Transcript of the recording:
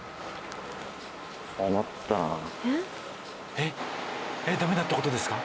えっダメだって事ですか？